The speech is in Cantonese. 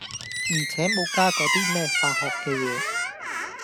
而且無加嗰啲咩化學嘅嘢。